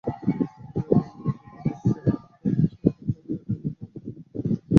তাঁহার মর্মভেদী দৃষ্টির হাত হইতে কাহারও এড়াইবার বা কিছু গোপন করিবার সাধ্য ছিল না।